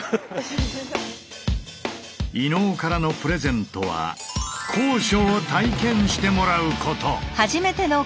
伊野尾からのプレゼントは高所を体験してもらうこと。